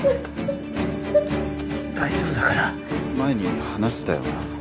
大丈夫だから前に話したよな